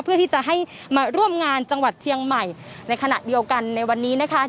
เพื่อที่จะให้มาร่วมงานจังหวัดเชียงใหม่ในขณะเดียวกันในวันนี้นะคะ